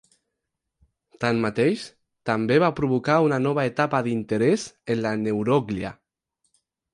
Tanmateix, també va provocar una nova etapa d'interès en la neuròglia.